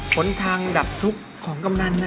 ผลทางดับทุกข์ของกำนันนะ